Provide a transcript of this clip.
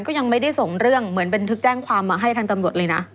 ก็ยังไม่ได้ส่งเรื่องเหมือนบันทึกแจ้งความมาให้ทางตำรวจเลยนะ